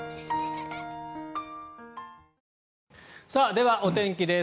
ではお天気です。